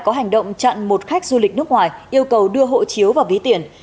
có hành động chặn một khách du lịch nước ngoài yêu cầu đưa hộ chiếu và ví tiền